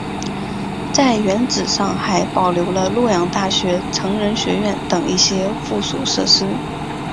在原址上还保留了洛阳大学成人学院等一些附属设施。